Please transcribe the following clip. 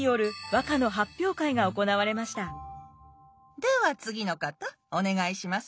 では次の方お願いします。